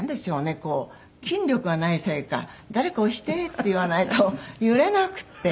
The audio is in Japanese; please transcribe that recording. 筋力がないせいか「誰か押して」って言わないと揺れなくて。